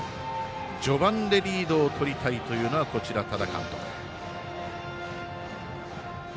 序盤でリードをとりたいというのが多田監督。